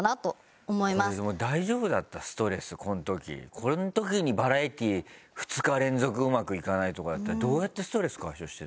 この時にバラエティ２日連続うまくいかないとかだったらどうやってストレス解消してた？